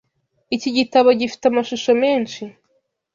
Iki gitabo gifite amashusho menshi.